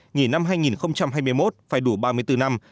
nghỉ năm hai nghìn hai mươi một phải đủ ba mươi bốn năm